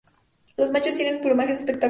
Los machos tienen plumajes espectaculares.